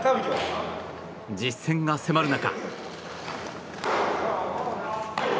実戦が迫る中。